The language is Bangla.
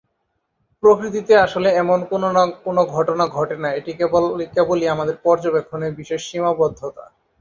প্রকৃতিতে আসলে এমন কোন ঘটনা ঘটে না, এটি কেবলই আমাদের পর্যবেক্ষণের বিশেষ সীমাবদ্ধতা।